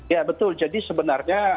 ya betul jadi sebenarnya